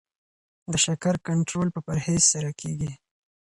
د شکر کنټرول په پرهیز سره کیږي.